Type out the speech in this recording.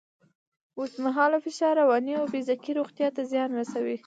اوږدمهاله فشار رواني او فزیکي روغتیا ته زیان رسوي.